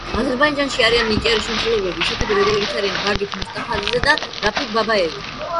აზერბაიჯანში არიან ნიჭიერი შემსრულებლები ისეთები, როგორებიც არიან ვაგიფ მუსტაფაზადე და რაფიკ ბაბაევი.